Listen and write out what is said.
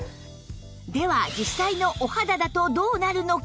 では実際のお肌だとどうなるのか？